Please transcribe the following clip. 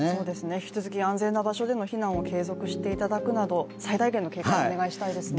引き続き安全な場所での避難を継続していただくなど最大限の警戒をお願いしたいですね。